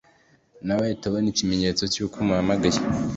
nawe ahita abona ikimenyetso cy’uko umuhamagaye